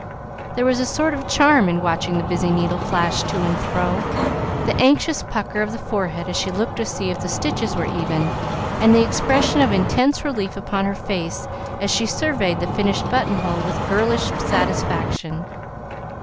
There was a sort of charm in watching the busy needle flash to and fro, the anxious pucker of the forehead as she looked to see if the stitches were even, and the expression of intense relief upon her face as she surveyed the finished button hole with girlish satisfaction.